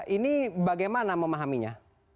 ini bagaimana memahaminya